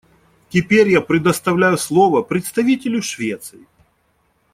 Теперь я предоставляю слово представителю Швеции.